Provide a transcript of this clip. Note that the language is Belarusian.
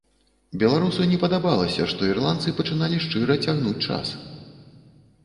Беларусу не падабалася, што ірландцы пачыналі шчыра цягнуць час.